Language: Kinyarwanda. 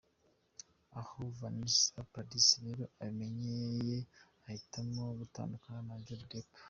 Aho Vanessa Paradis rero abimenyeye ahitamo gutandukana na Johnny Depp.